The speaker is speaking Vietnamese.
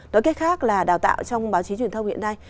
đối kết khác là đào tạo trong báo chí truyền thông hiện nay